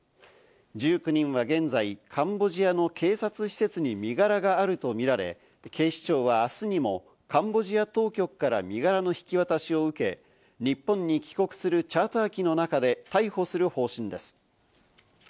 １９人は現在、カンボジアの警察施設に身柄があるとみられ、警視庁は明日にもカンボジア当局から身柄の引き渡しを受け、日本に帰国するチャーター機の中で逮捕する方針です。